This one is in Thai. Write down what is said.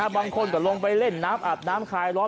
บางคนก็ลงไปเล่นน้ำอาบน้ำคลายร้อน